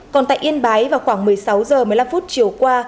còn tại yên bái vào khoảng một mươi sáu h một mươi năm chiều qua